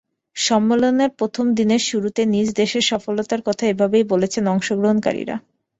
সম্মেলনের প্রথম দিনের শুরুতে নিজ দেশের সফলতার কথা এভাবেই বলেছেন অংশগ্রহণকারীরা।